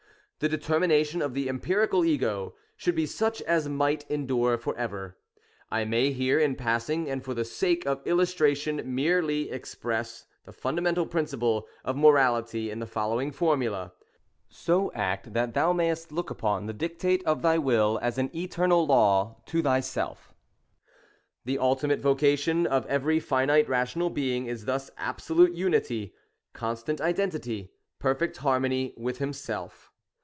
The determination of the empirical Ego should be such as might endure for ever. I may here, in passing, and for the sake of illustration merely, express the fundamental principle of morality in the following formula: — "So act, that thou mayest look upon the dictate of thy will as an eternal law to thyself" The ultimate vocation of every finite, rational being is thus absolute unity, constant identity, perfect harmony with himself.